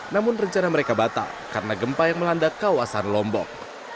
namun rencana mereka batal karena gempa yang melanda kawasan lombok